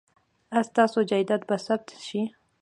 ایا ستاسو جایداد به ثبت شي؟